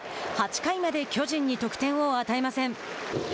８回まで巨人に得点を与えません。